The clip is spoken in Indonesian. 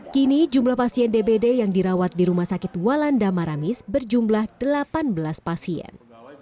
kini jumlah pasien dbd yang dirawat di rumah sakit walanda maramis berjumlah delapan belas pasien